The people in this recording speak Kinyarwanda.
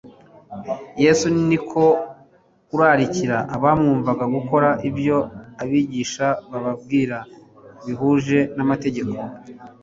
Yesu niko kurarikira abamwumvaga, gukora ibyo abigisha bababwira bihuje n'amategeko,